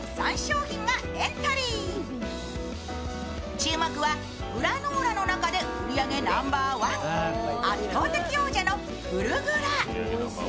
注目はグラノーラの中で売り上げナンバーワン、圧倒的王者のフルグラ。